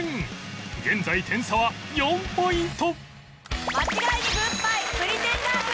現在点差は４ポイント